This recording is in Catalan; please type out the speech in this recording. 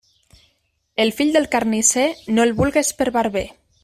El fill del carnisser no el vulgues per barber.